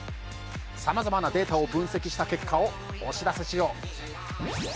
さまざまなデータを分析した結果をお知らせしよう。